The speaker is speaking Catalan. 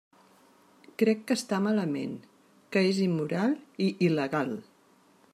Crec que està malament, que és immoral i il·legal.